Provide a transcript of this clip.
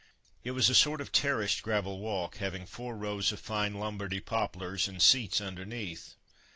It was a sort of a terraced gravel walk, having four rows of fine Lombardy poplars, and seats underneath.